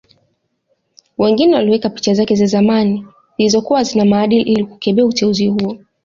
Wengine waliweka picha zake za zamani zilizokuwa hazina maadili ili kukebehi uteuzi huo